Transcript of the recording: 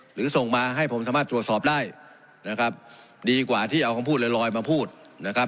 หรือส่งมาให้ผมสามารถตรวจสอบได้นะครับดีกว่าที่เอาคำพูดลอยลอยมาพูดนะครับ